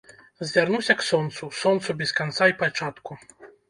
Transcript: Звярнуся к сонцу, сонцу без канца й пачатку.